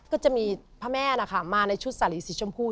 ก็จะมีพระแม่นะคะมาในชุดสาลีสีชมพู